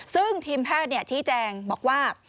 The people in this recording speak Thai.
ซึ่งทีมแพทย์ชี้แจงบอกว่า